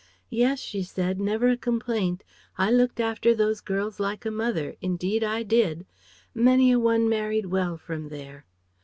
"Yes," she said, "never a complaint! I looked after those girls like a mother, indeed I did. Many a one married well from there."